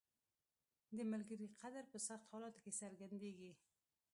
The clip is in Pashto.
• د ملګري قدر په سختو حالاتو کې څرګندیږي.